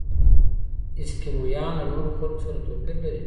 اسکیمویان له نورو خلکو سره توپیر لري.